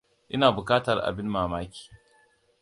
Ina bukatar abin mamaki.